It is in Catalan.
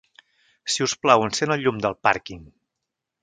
Si us plau, encén el llum del pàrquing.